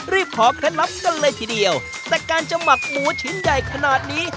ขอเคล็ดลับกันเลยทีเดียวแต่การจะหมักหมูชิ้นใหญ่ขนาดนี้